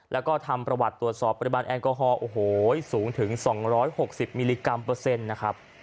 แล้วก็ทำประวัติตรวจสอบปริมาณแอลกอฮอลโอ้โหสูงถึง๒๖๐มิลลิกรัมเปอร์เซ็นต์นะครับ